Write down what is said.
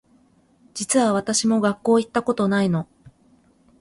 実は私も学校行ったことないの